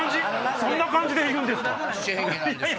⁉そんな感じで行くんですか？